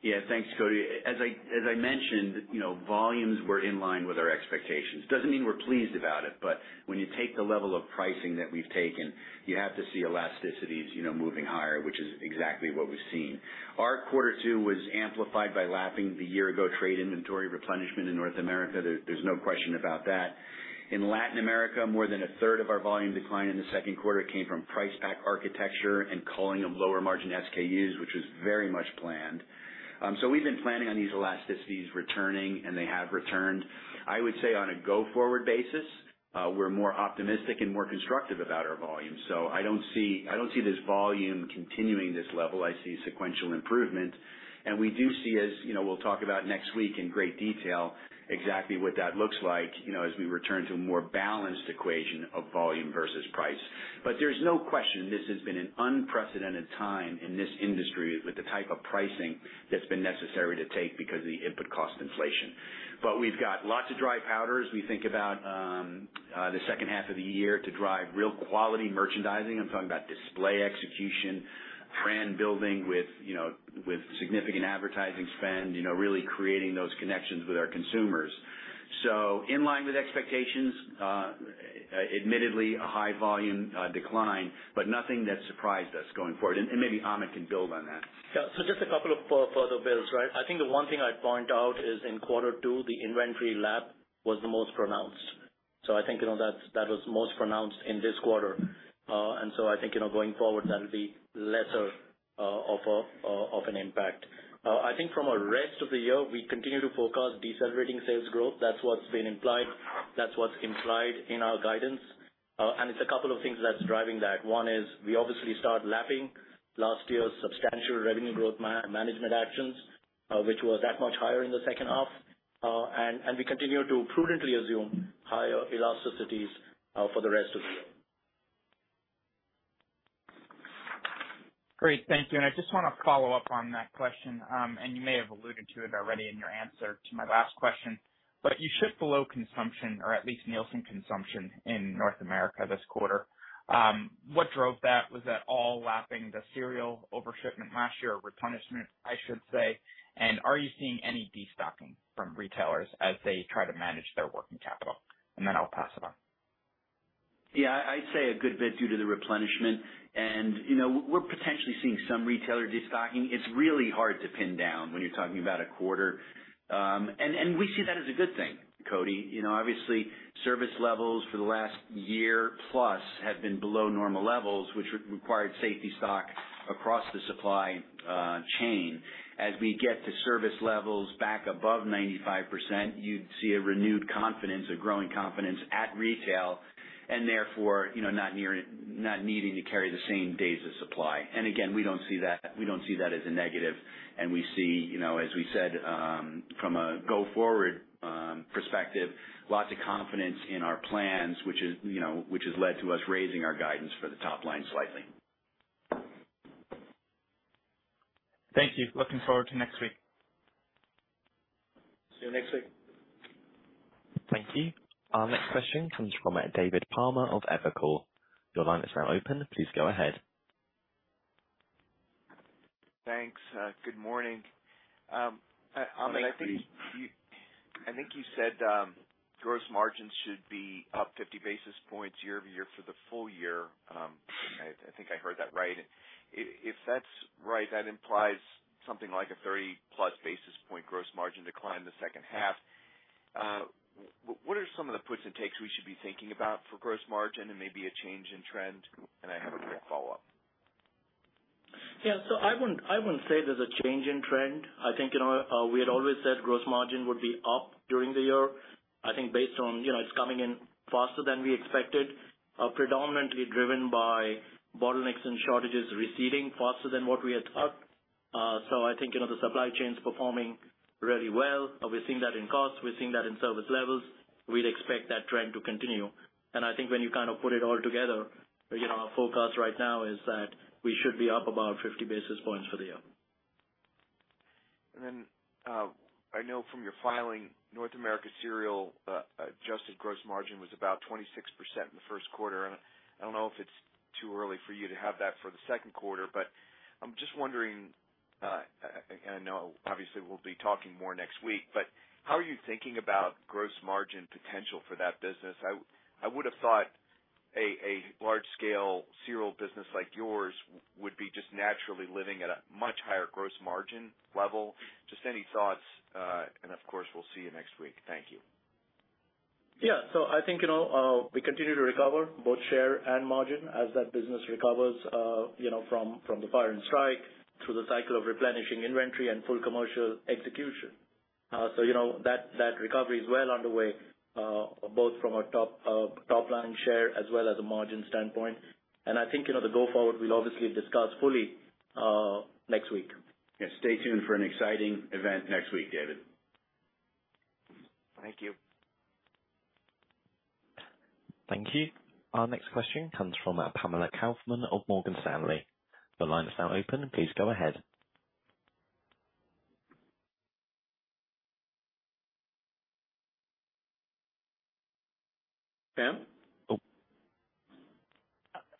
Yeah, thanks, Cody. As I mentioned, you know, volumes were in line with our expectations. Doesn't mean we're pleased about it. When you take the level of pricing that we've taken, you have to see elasticities, you know, moving higher, which is exactly what we've seen. Our quarter two was amplified by lapping the year-ago trade inventory replenishment in North America. There's no question about that. In Latin America, more than a third of our volume decline in the second quarter came from price pack architecture and culling of lower margin SKUs, which was very much planned. We've been planning on these elasticities returning, and they have returned. I would say on a go-forward basis, we're more optimistic and more constructive about our volume. I don't see this volume continuing this level. I see sequential improvement. We do see as, you know, we'll talk about next week in great detail, exactly what that looks like, you know, as we return to a more balanced equation of volume versus price. There's no question this has been an unprecedented time in this industry with the type of pricing that's been necessary to take because of the input cost inflation. We've got lots of dry powders. We think about the second half of the year to drive real quality merchandising. I'm talking about display execution, brand building with, you know, with significant advertising spend, you know, really creating those connections with our consumers. In line with expectations, admittedly a high volume decline, but nothing that surprised us going forward, and, and maybe Amit can build on that. Yeah. Just a couple of further builds, right? I think the one thing I'd point out is in quarter two, the inventory lap was the most pronounced. I think, you know, that's- that was most pronounced in this quarter. I think, you know, going forward, that'll be lesser of an impact. I think from a rest of the year, we continue to forecast decelerating sales growth. That's what's been implied. That's what's implied in our guidance, and it's a couple of things that's driving that. One is we obviously start lapping last year's substantial revenue growth management actions, which was that much higher in the second half. We continue to prudently assume higher elasticities for the rest of the year. Great. Thank you. I just wanna follow up on that question. You may have alluded to it already in your answer to my last question, but you shipped below consumption, or at least Nielsen consumption, in North America this quarter. What drove that? Was that all lapping the cereal overshipment last year, replenishment, I should say? Are you seeing any destocking from retailers as they try to manage their working capital? Then I'll pass it on. Yeah, I'd say a good bit due to the replenishment, and, you know, we're potentially seeing some retailer destocking. It's really hard to pin down when you're talking about a quarter. We see that as a good thing, Cody. You know, obviously, service levels for the last year plus have been below normal levels, which required safety stock across the supply chain. As we get to service levels back above 95%, you'd see a renewed confidence, a growing confidence at retail, and therefore, you know, not needing to carry the same days of supply. Again, we don't see that, we don't see that as a negative. We see, you know, as we said, from a go-forward, perspective, lots of confidence in our plans, which is, you know, which has led to us raising our guidance for the top line slightly. Thank you. Looking forward to next week. See you next week. Thank you. Our next question comes from David Palmer of Evercore. Your line is now open. Please go ahead. Thanks. good morning. Amit, I think you. Good morning. I think you said, gross margins should be up 50 basis points year-over-year for the full year. I, I think I heard that right. If that's right, that implies something like a 30-plus basis point gross margin decline in the second half. What are some of the puts and takes we should be thinking about for gross margin and maybe a change in trend? I have a quick follow-up. Yeah, so I wouldn't, I wouldn't say there's a change in trend. I think, you know, we had always said gross margin would be up during the year. I think based on, you know, it's coming in faster than we expected, predominantly driven by bottlenecks and shortages receding faster than what we had thought. I think, you know, the supply chain is performing really well. We're seeing that in costs, we're seeing that in service levels. We'd expect that trend to continue. I think when you kind of put it all together, you know, our forecast right now is that we should be up about 50 basis points for the year. I know from your filing, North America Cereal, adjusted gross margin was about 26% in the first quarter, and I don't know if it's too early for you to have that for the second quarter, but I'm just wondering, and I know obviously we'll be talking more next week, but how are you thinking about gross margin potential for that business? I would have thought a large scale cereal business like yours would be just naturally living at a much higher gross margin level. Just any thoughts, and of course, we'll see you next week. Thank you. I think, you know, we continue to recover both share and margin as that business recovers, you know, from, from the fire and strike through the cycle of replenishing inventory and full commercial execution. You know that, that recovery is well underway, both from a top, top line share as well as a margin standpoint. I think, you know, the go forward, we'll obviously discuss fully next week. Yes, stay tuned for an exciting event next week, David. Thank you. Thank you. Our next question comes from Pamela Kaufman of Morgan Stanley. The line is now open. Please go ahead. Pam?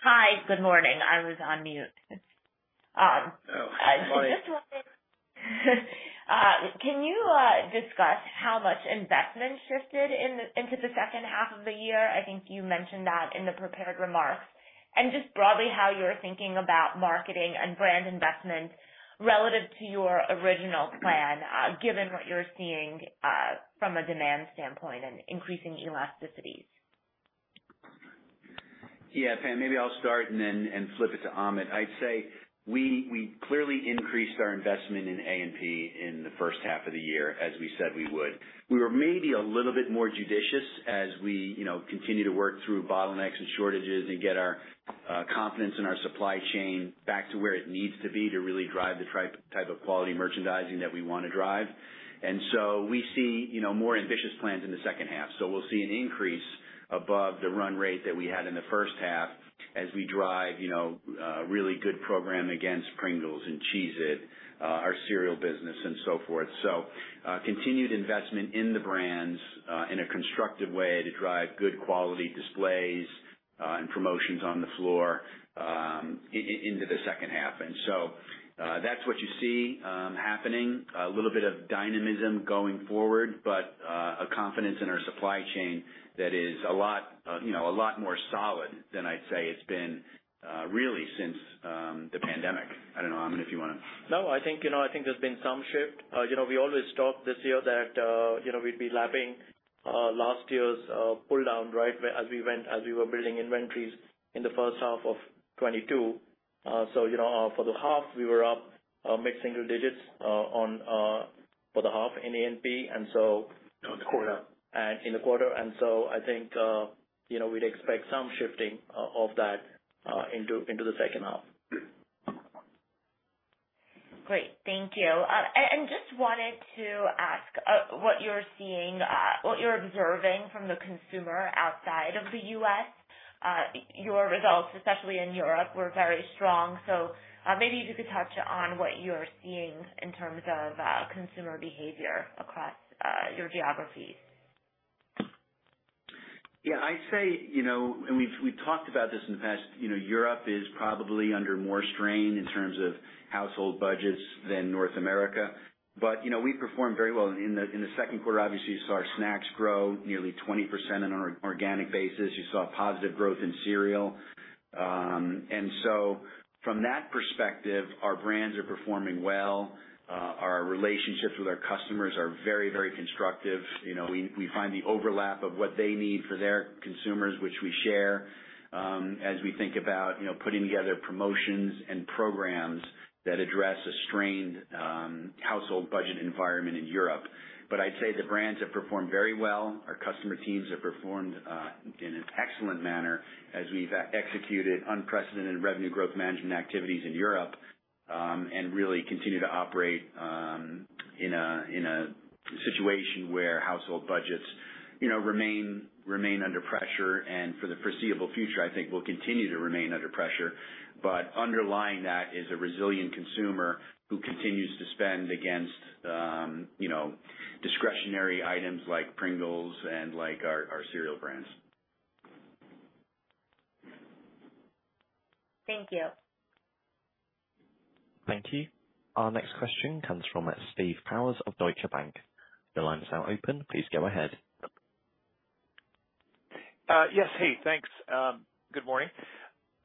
Hi, good morning. I was on mute. Oh, morning. Just wondering, can you discuss how much investment shifted into the second half of the year? I think you mentioned that in the prepared remarks, and just broadly, how you're thinking about marketing and brand investments relative to your original plan, given what you're seeing from a demand standpoint and increasing elasticities. Yeah, Pam, maybe I'll start and then flip it to Amit. I'd say we, we clearly increased our investment in A&P in the first half of the year, as we said we would. We were maybe a little bit more judicious as we, you know, continue to work through bottlenecks and shortages and get our confidence in our supply chain back to where it needs to be to really drive the type of quality merchandising that we wanna drive. We see, you know, more ambitious plans in the second half. We'll see an increase above the run rate that we had in the first half as we drive, you know, really good program against Pringles and Cheez-It, our cereal business and so forth. Continued investment in the brands, in a constructive way to drive good quality displays, and promotions on the floor, into the second half. That's what you see happening. A little bit of dynamism going forward, but, a confidence in our supply chain that is a lot, you know, a lot more solid than I'd say it's been, really since the pandemic. I don't know, Amit, if you wanna- No, I think, you know, I think there's been some shift. you know, we always talked this year that, you know, we'd be lapping, last year's, pull down right as we went, as we were building inventories in the first half of 2022. you know, for the half, we were up, mid-single digits, on, for the half in A&P, and so. The quarter. In the quarter. I think, you know, we'd expect some shifting of that, into, into the second half. Great. Thank you. Just wanted to ask what you're seeing, what you're observing from the consumer outside of the U.S. Your results, especially in Europe, were very strong, maybe you could touch on what you're seeing in terms of consumer behavior across your geographies. Yeah, I'd say, you know, we've talked about this in the past, you know, Europe is probably under more strain in terms of household budgets than North America. You know, we performed very well in the second quarter. Obviously, you saw our snacks grow nearly 20% on an organic basis. You saw positive growth in cereal. From that perspective, our brands are performing well. Our relationships with our customers are very, very constructive. You know, we find the overlap of what they need for their consumers, which we share, as we think about, you know, putting together promotions and programs that address a strained household budget environment in Europe. I'd say the brands have performed very well. Our customer teams have performed in an excellent manner as we've executed unprecedented revenue growth management activities in Europe, and really continue to operate in a, in a situation where household budgets, you know, remain, remain under pressure, and for the foreseeable future, I think will continue to remain under pressure. Underlying that is a resilient consumer who continues to spend against, you know, discretionary items like Pringles and like our, our cereal brands. Thank you. Thank you. Our next question comes from, Steve Powers of Deutsche Bank. The line is now open. Please go ahead.... Yes. Hey, thanks. Good morning.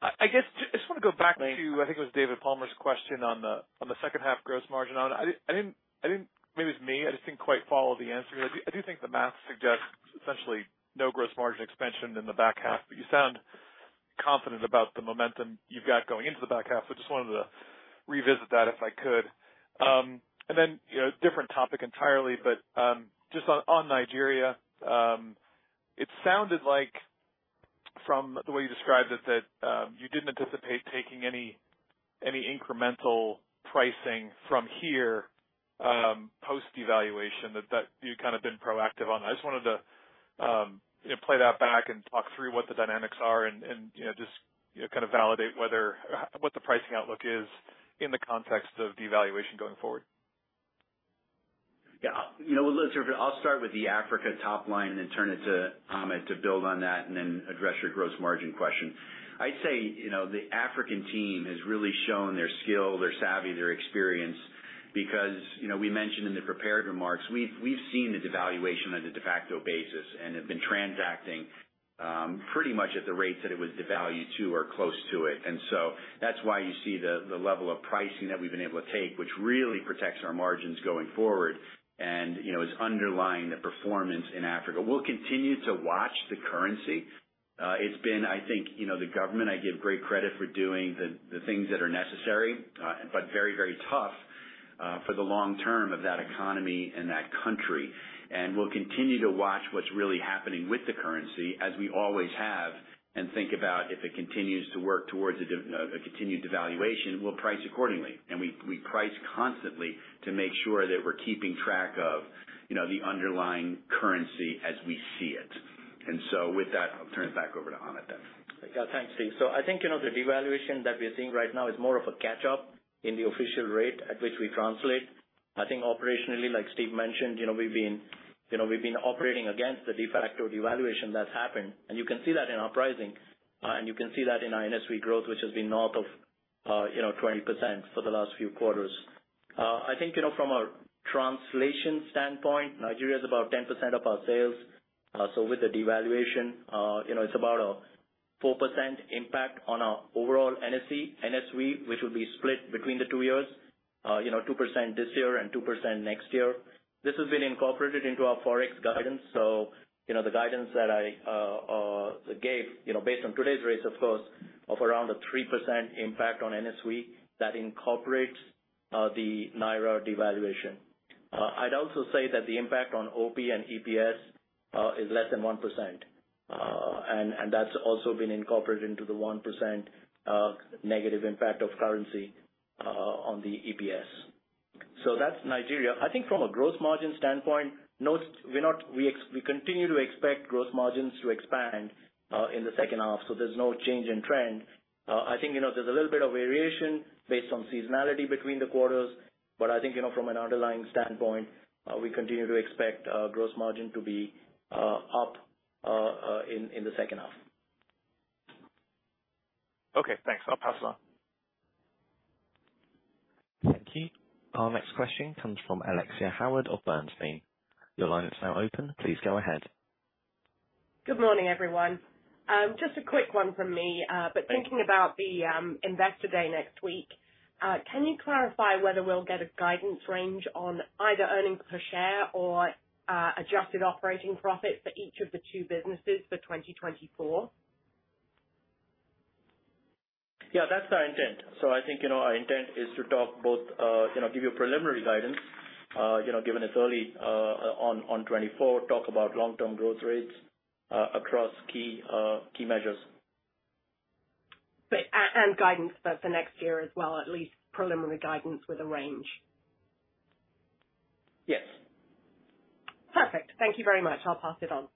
I, I guess, just, I just want to go back to, I think it was David Palmer's question on the, on the second half gross margin. I, I didn't, maybe it's me, I just didn't quite follow the answer. I do, I do think the math suggests essentially no gross margin expansion in the back half, but you sound confident about the momentum you've got going into the back half. Just wanted to revisit that, if I could. Then, you know, different topic entirely, but, just on, on Nigeria, it sounded like from the way you described it, that, you didn't anticipate taking any, any incremental pricing from here, post devaluation, that, that you've kind of been proactive on. I just wanted to, you know, play that back and talk through what the dynamics are and, and, you know, just, you know, kind of validate whether what the pricing outlook is in the context of devaluation going forward. You know, listen, I'll start with the Africa top line and then turn it to Amit to build on that and then address your gross margin question. I'd say, you know, the African team has really shown their skill, their savvy, their experience, because, you know, we mentioned in the prepared remarks, we've, we've seen the devaluation on a de facto basis and have been transacting, pretty much at the rates that it was devalued to or close to it. So that's why you see the, the level of pricing that we've been able to take, which really protects our margins going forward, and, you know, is underlying the performance in Africa. We'll continue to watch the currency. It's been, I think, you know, the government, I give great credit for doing the, the things that are necessary, but very, very tough, for the long term of that economy and that country. We'll continue to watch what's really happening with the currency, as we always have, and think about if it continues to work towards a continued devaluation, we'll price accordingly. We, we price constantly to make sure that we're keeping track of, you know, the underlying currency as we see it. With that, I'll turn it back over to Amit then. Yeah, thanks, Steve. I think, you know, the devaluation that we are seeing right now is more of a catch up in the official rate at which we translate. I think operationally, like Steve mentioned, you know, we've been, you know, we've been operating against the de facto devaluation that's happened, and you can see that in our pricing, and you can see that in our NSV growth, which has been north of, you know, 20% for the last few quarters. I think, you know, from a translation standpoint, Nigeria is about 10% of our sales. With the devaluation, you know, it's about a 4% impact on our overall NSV, which will be split between the 2 years, you know, 2% this year and 2% next year. This has been incorporated into our Forex guidance. You know, the guidance that I gave, you know, based on today's rates, of course, of around a 3% impact on NSV, that incorporates the naira devaluation. I'd also say that the impact on OP and EPS is less than 1%, and that's also been incorporated into the 1% negative impact of currency on the EPS. That's Nigeria. I think from a growth margin standpoint, no, we're not we continue to expect growth margins to expand in the second half, so there's no change in trend. I think, you know, there's a little bit of variation based on seasonality between the quarters, but I think, you know, from an underlying standpoint, we continue to expect growth margin to be up in the second half. Okay, thanks. I'll pass it on. Thank you. Our next question comes from Alexia Howard of Bernstein. Your line is now open. Please go ahead. Good morning, everyone. Just a quick one from me, but thinking about the investor day next week, can you clarify whether we'll get a guidance range on either earnings per share or adjusted operating profit for each of the two businesses for 2024? Yeah, that's our intent. I think, you know, our intent is to talk both, you know, give you a preliminary guidance, you know, given it's early, on 2024, talk about long-term growth rates, across key, key measures. Guidance for the next year as well, at least preliminary guidance with a range? Yes. Perfect. Thank you very much. I'll pass it on.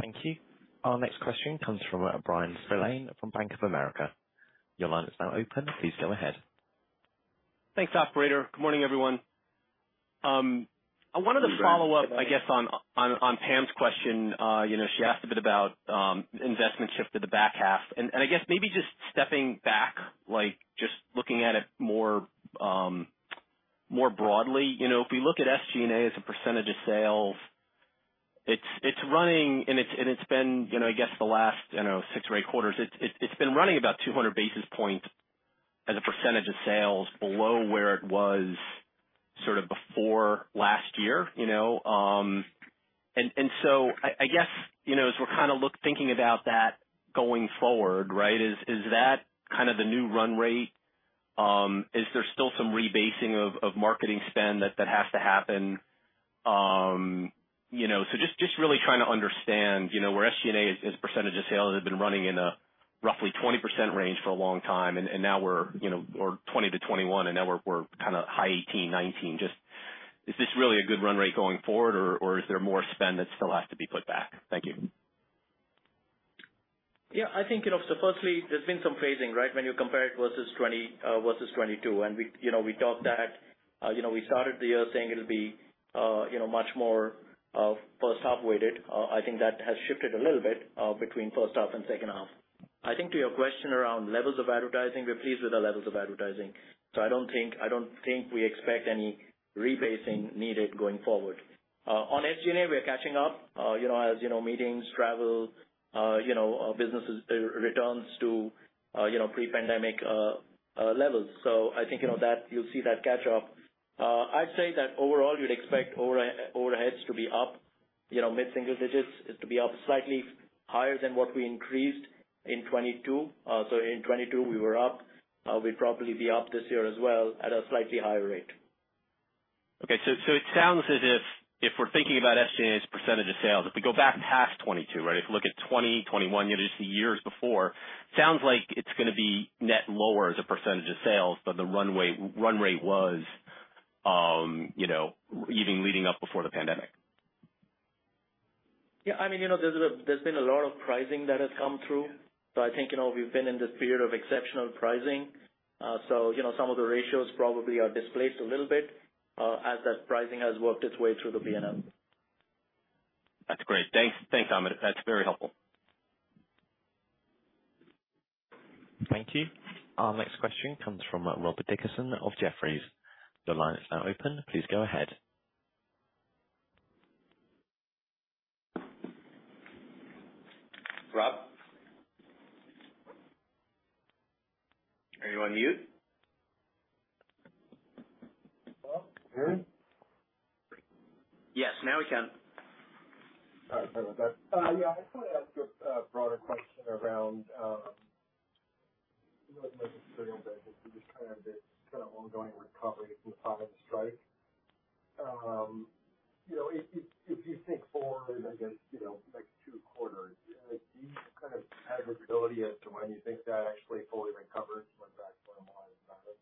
Thank you. Our next question comes from Bryan Spillane from Bank of America. Your line is now open. Please go ahead. Thanks, operator. Good morning, everyone. I wanted to follow up, I guess, on, on, on Pam's question. You know, she asked a bit about, investment shift to the back half. I guess maybe just stepping back, like, just looking at it more, more broadly, you know, if we look at SG&A as a percentage of sales, it's, it's running and it's, and it's been, you know, I guess the last, I don't know, 6 or 8 quarters, it's, it's, it's been running about 200 basis points as a percentage of sales below where it was sort of before last year, you know. I guess, you know, as we're kind of thinking about that going forward, right, is, is that kind of the new run rate? Is there still some rebasing of, of marketing spend that, that has to happen? You know, just, just really trying to understand, you know, where SG&A as, as a percentage of sales has been running in a roughly 20% range for a long time, and now we're, you know, we're 20%-21%, and now we're kind of high 18%, 19%. Just, is this really a good run rate going forward, or is there more spend that still has to be put back? Thank you. Yeah, I think, you know, firstly, there's been some phasing, right? When you compare it versus 20, versus 2022, and we, you know, we talked that, you know, we started the year saying it'll be, you know, much more, first half weighted. I think that has shifted a little bit between first half and second half. I think to your question around levels of advertising, we're pleased with the levels of advertising. I don't think, I don't think we expect any repacing needed going forward. On SG&A, we are catching up, you know, as, you know, meetings, travel, you know, businesses, returns to, you know, pre-pandemic levels. I think, you know, that you'll see that catch up. I'd say that overall, you'd expect overheads to be up, you know, mid-single digits, is to be up slightly higher than what we increased in 2022. In 2022 we were up. We'd probably be up this year as well at a slightly higher rate. It sounds as if, if we're thinking about SG&A as a percentage of sales, if we go back past 22, right? If you look at 20, 21, you know, just the years before, sounds like it's going to be net lower as a percentage of sales, but the runway, run rate was, you know, even leading up before the pandemic. Yeah, I mean, you know, there's been a lot of pricing that has come through. I think, you know, we've been in this period of exceptional pricing. You know, some of the ratios probably are displaced a little bit, as that pricing has worked its way through the P&L. That's great. Thanks. Thanks, Amit. That's very helpful. Thank you. Our next question comes from, Robert Dickerson of Jefferies. Your line is now open. Please go ahead. Rob, are you on mute? Hello, can you hear me? Yes, now we can. All right. Sorry about that. Yeah, I just want to ask a broader question around, you know, North American cereal, but just kind of this kind of ongoing recovery from the pilot strike. You know, if, if, if you think forward, I guess, you know, like 2 quarters, do you have any kind of visibility as to when you think that actually fully recovers went back to normal on its profit?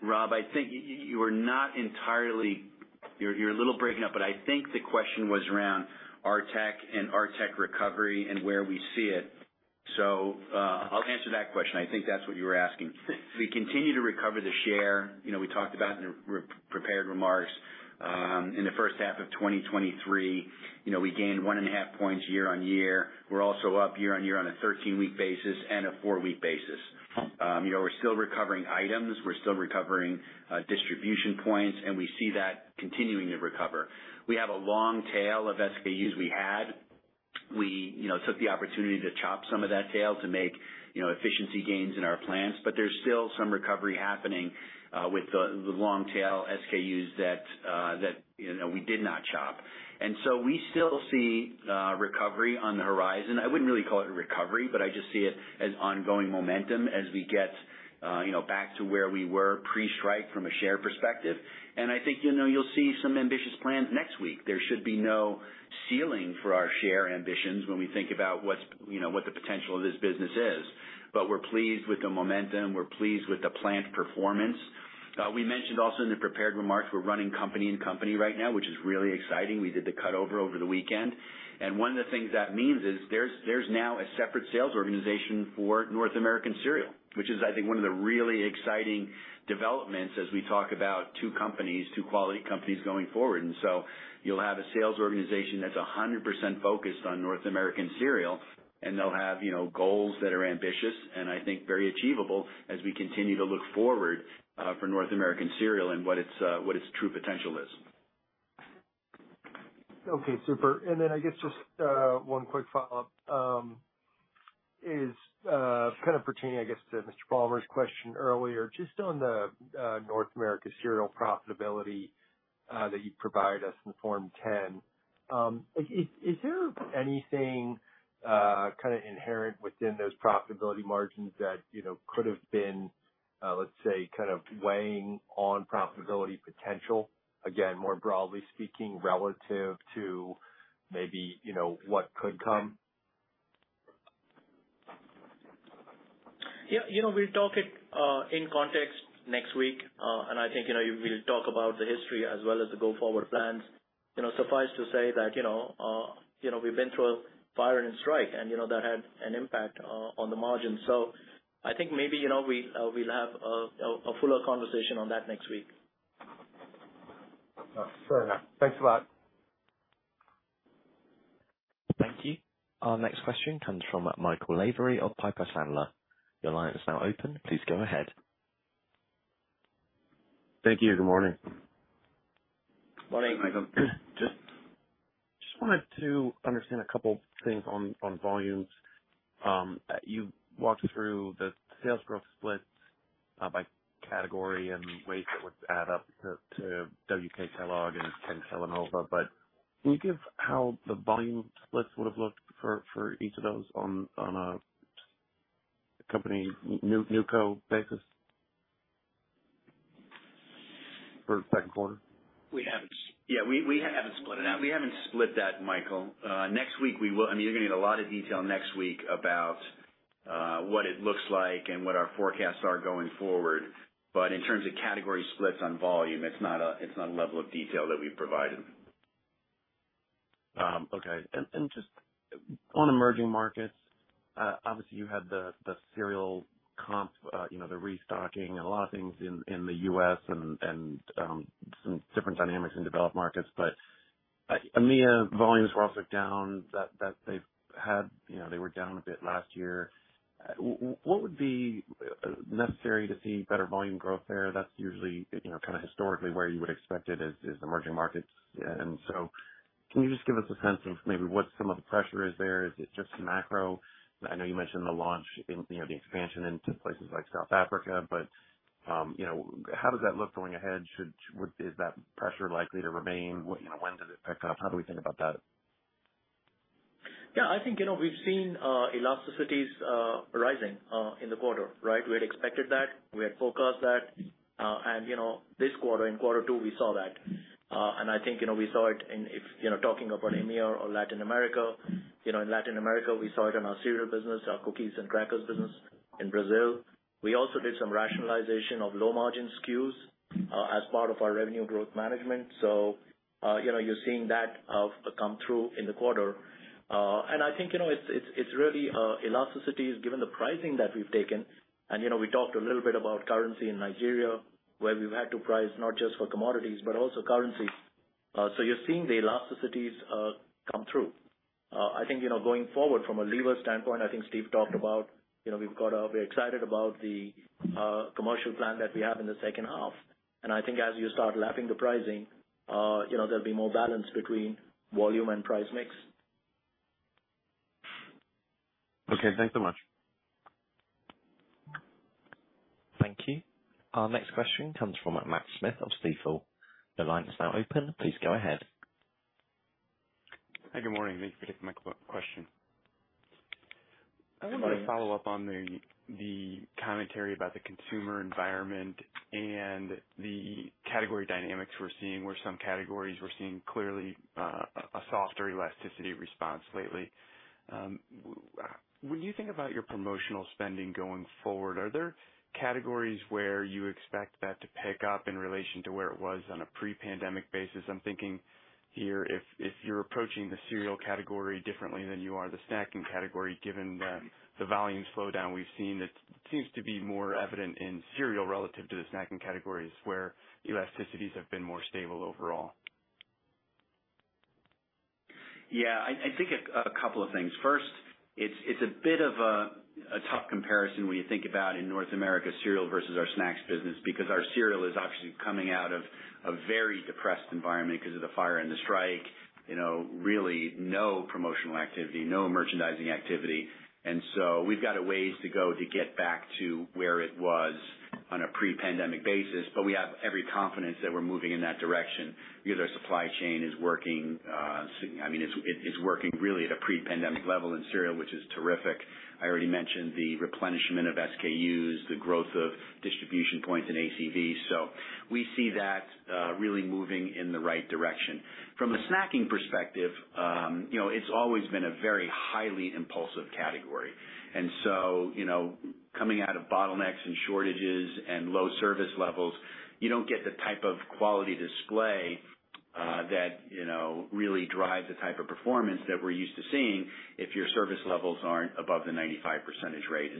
Rob, I think you are not entirely... You're, you're a little breaking up. I think the question was around RTEC and RTEC recovery and where we see it. I'll answer that question. I think that's what you were asking. We continue to recover the share. You know, we talked about in the prepared remarks, in the first half of 2023, you know, we gained 1.5 points year-over-year. We're also up year-over-year on a 13-week basis and a 4-week basis. You know, we're still recovering items, we're still recovering distribution points, and we see that continuing to recover. We have a long tail of SKUs we had. We, you know, took the opportunity to chop some of that tail to make, you know, efficiency gains in our plans. There's still some recovery happening, with the, the long tail SKUs that, that, you know, we did not chop. We still see recovery on the horizon. I wouldn't really call it a recovery, but I just see it as ongoing momentum as we get, you know, back to where we were pre-strike from a share perspective. I think, you know, you'll see some ambitious plans next week. There should be no ceiling for our share ambitions when we think about what's, you know, what the potential of this business is. We're pleased with the momentum. We're pleased with the plant performance. We mentioned also in the prepared remarks, we're running company and company right now, which is really exciting. We did the cut over over the weekend, and one of the things that means is there's, there's now a separate sales organization for North American Cereal, which is, I think, one of the really exciting developments as we talk about two companies, two quality companies, going forward. So you'll have a sales organization that's 100% focused on North American Cereal, and they'll have, you know, goals that are ambitious and I think very achievable as we continue to look forward for North American Cereal and what its, what its true potential is. Okay, super. I guess just one quick follow-up, is kind of pertaining, I guess, to Mr. Palmer's question earlier, just on the North America Cereal profitability that you provided us in the Form 10. Is, is, is there anything kind of inherent within those profitability margins that, you know, could have been, let's say, kind of weighing on profitability potential? Again, more broadly speaking, relative to maybe, you know, what could come? Yeah, you know, we'll talk it in context next week. I think, you know, we'll talk about the history as well as the go-forward plans. You know, suffice to say that, you know, we've been through a fire and a strike, and, you know, that had an impact on the margins. I think maybe, you know, we'll have a fuller conversation on that next week. Fair enough. Thanks a lot. Thank you. Our next question comes from Michael Lavery of Piper Sandler. Your line is now open. Please go ahead. Thank you. Good morning. Morning, Michael. Just, just wanted to understand a couple things on, on volumes. You walked through the sales growth splits by category and ways it would add up to, to WK Kellogg and Kellanova. Can you give how the volume splits would have looked for, for each of those on, on a company new co basis for the second quarter? We haven't. Yeah, we haven't split it out. We haven't split that, Michael. next week we will. I mean, you're going to get a lot of detail next week about, what it looks like and what our forecasts are going forward. In terms of category splits on volume, it's not a, it's not a level of detail that we've provided. Okay. And just on emerging markets-... Obviously, you had the, the serial comp, you know, the restocking and a lot of things in, in the U.S. and, some different dynamics in developed markets. EMEA volumes were also down that, that they've had, you know, they were down a bit last year. What would be necessary to see better volume growth there? That's usually, you know, kind of historically, where you would expect it, is, is the emerging markets. Can you just give us a sense of maybe what some of the pressure is there? Is it just macro? I know you mentioned the launch in, you know, the expansion into places like South Africa, but, you know, how does that look going ahead? Is that pressure likely to remain? What, you know, when does it pick up? How do we think about that? Yeah, I think, you know, we've seen elasticities rising in the quarter, right? We had expected that, we had forecast that, and, you know, this quarter, in quarter two, we saw that. I think, you know, we saw it in you know, talking about EMEA or Latin America, you know, in Latin America, we saw it in our cereal business, our cookies and crackers business in Brazil. We also did some rationalization of low-margin SKUs as part of our revenue growth management. You know, you're seeing that come through in the quarter. I think, you know, it's, it's, it's really elasticities, given the pricing that we've taken. You know, we talked a little bit about currency in Nigeria, where we've had to price not just for commodities, but also currency. You're seeing the elasticities come through. I think, you know, going forward from a lever standpoint, I think Steve talked about, you know, we're excited about the commercial plan that we have in the second half. I think as you start lapping the pricing, you know, there'll be more balance between volume and price mix. Okay, thanks so much. Thank you. Our next question comes from Matt Smith of Stifel. The line is now open. Please go ahead. Hi, good morning. Thank you for taking my question. I want to follow up on the, the commentary about the consumer environment and the category dynamics we're seeing, where some categories we're seeing clearly, a softer elasticity response lately. When you think about your promotional spending going forward, are there categories where you expect that to pick up in relation to where it was on a pre-pandemic basis? I'm thinking here, if, if you're approaching the cereal category differently than you are, the snacking category, given the, the volume slowdown we've seen, that seems to be more evident in cereal relative to the snacking categories, where elasticities have been more stable overall. Yeah, I think a couple of things. First, it's a bit of a tough comparison when you think about in North America, cereal versus our snacks business, because our cereal is actually coming out of a very depressed environment because of the fire and the strike, you know, really no promotional activity, no merchandising activity. So we've got a ways to go to get back to where it was on a pre-pandemic basis. We have every confidence that we're moving in that direction because our supply chain is working, I mean, it's working really at a pre-pandemic level in cereal, which is terrific. I already mentioned the replenishment of SKUs, the growth of distribution points in ACV. We see that really moving in the right direction. From a snacking perspective, you know, it's always been a very highly impulsive category. You know, coming out of bottlenecks and shortages and low service levels, you don't get the type of quality display, that, you know, really drives the type of performance that we're used to seeing if your service levels aren't above the 95% rate.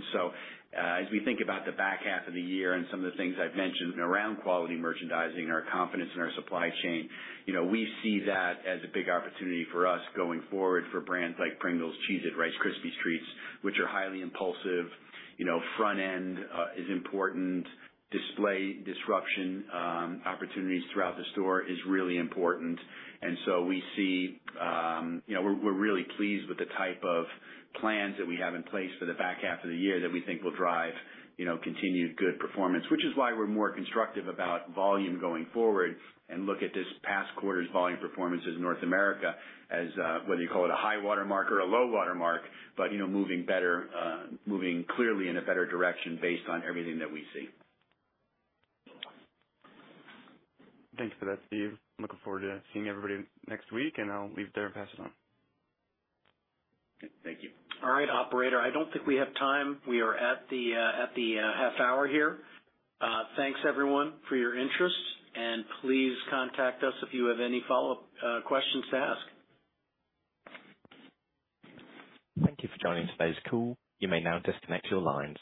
As we think about the back half of the year and some of the things I've mentioned around quality merchandising, our confidence in our supply chain, you know, we see that as a big opportunity for us going forward for brands like Pringles, Cheez It, Rice Krispie Treats, which are highly impulsive. You know, front end is important. Display disruption, opportunities throughout the store is really important. We see, you know, we're, we're really pleased with the type of plans that we have in place for the back half of the year that we think will drive, you know, continued good performance, which is why we're more constructive about volume going forward. Look at this past quarter's volume performance in North America as, whether you call it a high water mark or a low water mark, but, you know, moving better, moving clearly in a better direction based on everything that we see. Thanks for that, Steve. Looking forward to seeing everybody next week, and I'll leave it there and pass it on. Thank you. All right, operator, I don't think we have time. We are at the at the half hour here. Thanks, everyone, for your interest, and please contact us if you have any follow-up questions to ask. Thank you for joining today's call. You may now disconnect your lines.